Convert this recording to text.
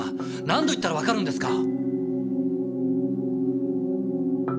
何度言ったらわかるんですか！